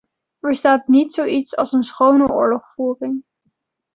Er bestaat niet zoiets als een schone oorlogvoering.